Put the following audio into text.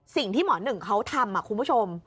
สิ่งที่หมอหนึ่งเขาทำคุณผู้ชม